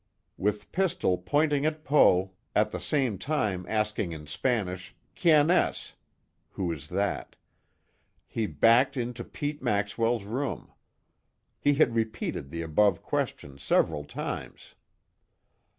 With pistol pointing at Poe, at the same time asking in Spanish: "Quien es?" (Who is that?), he backed into Pete Maxwell's room. He had repeated the above question several times.